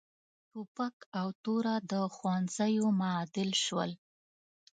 ټوپک او توره د ښوونځیو معادل شول.